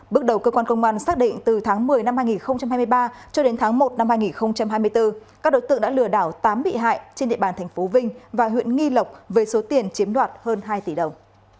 bước đầu cơ quan công an xác định từ tháng một mươi năm hai nghìn hai mươi ba cho đến tháng một năm hai nghìn hai mươi bốn các đối tượng đã lừa đảo tám bị hại trên địa bàn tp vinh và huyện nghi lộc với số tiền chiếm đoạt hơn hai tỷ đồng